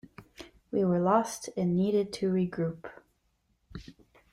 We were lost and needed to regroup.